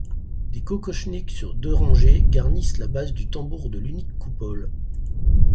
Des kokochniks sur deux rangées garnissent la base du tambour de l'unique coupole.